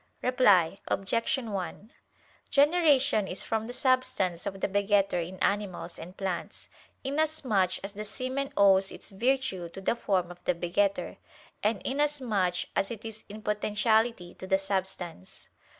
Reply Obj. 1: Generation is from the substance of the begetter in animals and plants, inasmuch as the semen owes its virtue to the form of the begetter, and inasmuch as it is in potentiality to the substance.